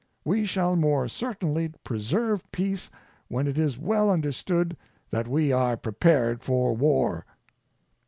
We shall more certainly preserve peace when it is well understood that we are prepared for War.